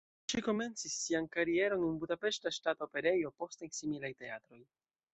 Ŝi komencis sian karieron en Budapeŝta Ŝtata Operejo, poste en similaj teatroj.